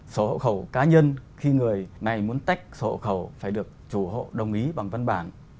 sổ hộ khẩu cá nhân khi người này muốn tách sổ hộ khẩu phải được chủ hộ đồng ý bằng văn bản